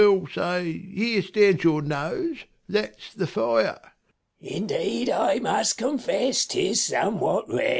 Well, say here stands your nose, that's the fire. First W. Indeed I must confess, 'tis somewhat red.